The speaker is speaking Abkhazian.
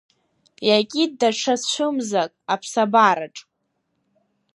Иакит даҽа цәымзак аԥсабараҿ.